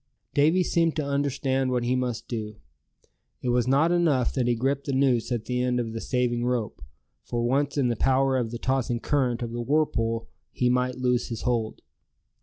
Davy seemed to understand what he must do. It was not enough that he gripped the noose at the end of the saving rope; for once in the power of the tossing current of the whirlpool he might lose his hold.